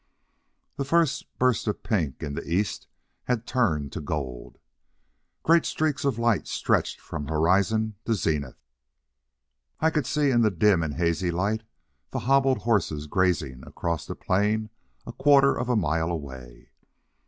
That first burst of pink in the East had turned to gold. Great streaks of light stretched from horizon to zenith. I could see in the dim and hazy light the hobbled horses grazing across the plain a quarter of a mile away.